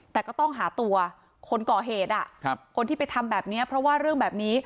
แต่ก็ต้องหาตัวคนก่อเหตุคนที่ไปทำแบบนี้เพราะว่าเรื่องแบบนี้